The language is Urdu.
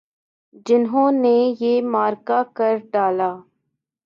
جنہوں نے یہ معرکہ کر ڈالا۔